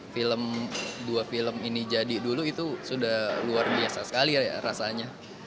film dua film ini jadi dulu itu sudah luar biasa sekali rasanya